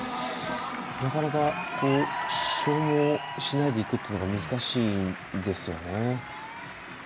なかなか、消耗しないでいくというのが難しいんですよね。